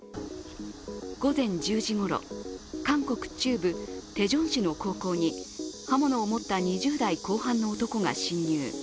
午前１０時ごろ、韓国中部テジョン市の高校に刃物を持った２０代後半の男が侵入。